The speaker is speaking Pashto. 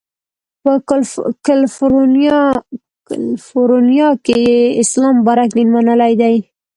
په کالیفورنیا کې یې اسلام مبارک دین منلی دی.